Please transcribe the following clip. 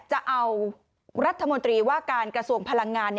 จะเอารัฐมนตรีว่าการกระทรวงพลังงาน